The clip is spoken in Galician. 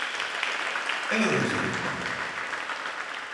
E onde se recorta?